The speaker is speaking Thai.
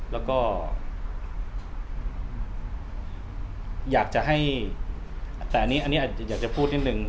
แล้วก็อยากจะให้แต่อันนี้อาจจะอยากจะพูดนิดนึง